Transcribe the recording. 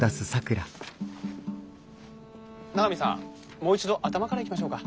もう一度頭からいきましょうか。